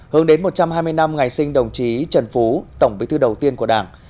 hơn đến một trăm hai mươi năm ngày sinh đồng chí trần phú tổng bí thư đầu tiên của đảng